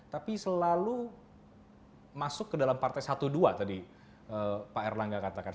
tapi selalu masuk ke dalam partai satu dua tadi pak erlangga katakan